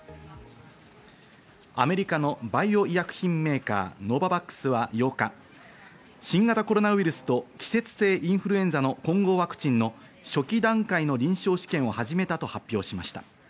アメリカのバイオ医薬品メーカー、ノババックスは８日、新型コロナウイルスと季節性インフルエンザの混合ワクチンの初期段階の臨床試験を始めたと発表しました。